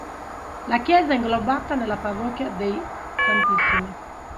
La chiesa, inglobata nella parrocchia dei Ss.